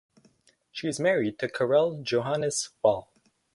She is married to Karel Johannes Wahl.